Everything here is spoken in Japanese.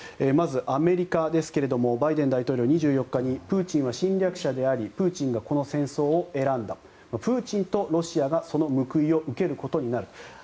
まず、アメリカですがバイデン大統領、２４日にプーチンは侵略者でありプーチンがこの戦争を選んだプーチンとロシアがその報いを受けることになる。